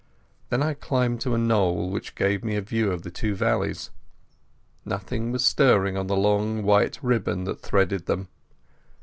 Then I climbed to a knoll which gave me a view of the two valleys. Nothing was stirring on the long white ribbon that threaded them.